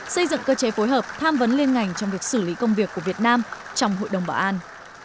xây dựng cơ chế phối hợp tham vấn liên ngành trong việc xử lý công việc của việt nam trong hội đồng bảo an